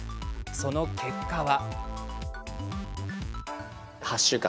その結果は。